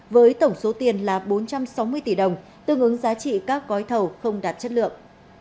với tổng số tiền là bốn trăm sáu mươi tỷ đồng tương ứng giá trị các gói thầu không đạt chất lượng